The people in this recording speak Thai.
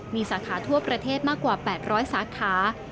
มีสาขาทั่วประเทศมากกว่า๘๐๐สาขา